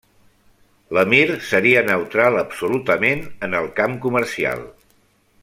L'emir seria neutral absolutament en el camp comercial.